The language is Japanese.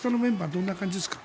どんな感じですか？